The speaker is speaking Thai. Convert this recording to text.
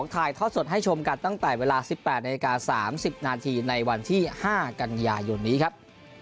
ถ่ายทอดสดให้ชมกันตั้งแต่เวลา๑๘นาฬิกา๓๐นาทีในวันที่๕กันยายนนี้ครับ